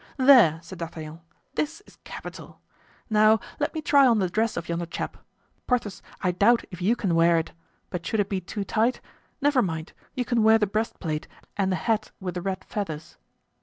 "There," said D'Artagnan, "this is capital! Now let me try on the dress of yonder chap. Porthos, I doubt if you can wear it; but should it be too tight, never mind, you can wear the breastplate and the hat with the red feathers."